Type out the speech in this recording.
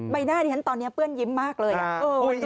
หน้าดิฉันตอนนี้เปื้อนยิ้มมากเลย